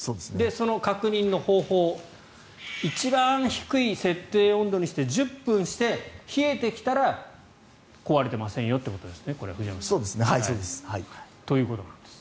その確認の方法一番低い設定温度にして１０分して冷えてきたら壊れていませんよということですね。ということです。